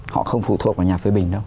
họ không phụ thuộc vào nhà phiêu bình đâu